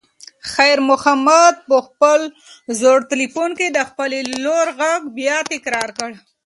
خیر محمد په خپل زوړ تلیفون کې د خپلې لور غږ بیا تکرار کړ.